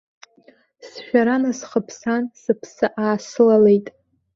Сшәара насхыԥсаан, сыԥсы аасылалеит.